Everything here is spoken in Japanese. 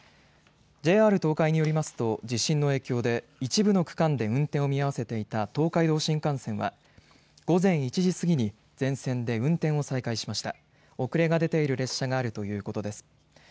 ＪＲ東海によりますと地震の影響で一部の区間で運転を見合わせていた東海道新幹線は午前１時過ぎに全線で運転を再開しました。